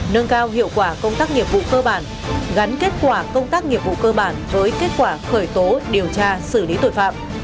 nâng cao hiệu quả công tác nghiệp vụ cơ bản gắn kết quả công tác nghiệp vụ cơ bản với kết quả khởi tố điều tra xử lý tội phạm